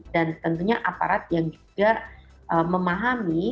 dan tentunya aparat yang juga memahami